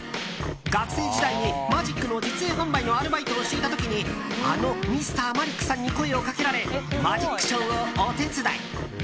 学生時代にマジックの実演販売のアルバイトをしていた時にあのＭｒ．マリックさんに声をかけられマジックショーをお手伝い。